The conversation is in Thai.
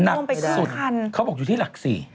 หนักสุดเขาบอกอยู่ที่หลักสี่